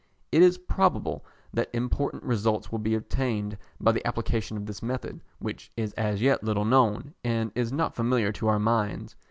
It is probable that important results will be obtained by the application of this method, which is as yet little known and is not familiar to our minds.